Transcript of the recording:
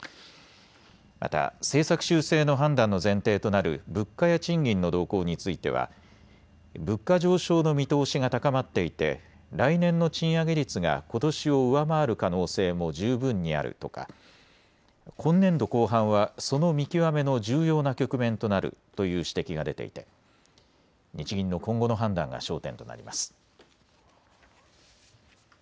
また政策修正の判断の前提となる物価や賃金の動向については物価上昇の見通しが高まっていて来年の賃上げ率がことしを上回る可能性も十分にあるとか今年度後半はその見極めの重要な局面となるという指摘が出ていて日銀の今後の判断が焦点となります。